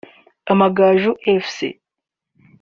Amagaju Fc